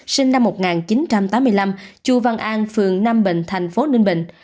sinh năm một nghìn chín trăm tám mươi năm chu văn an phường nam bình thành phố ninh bình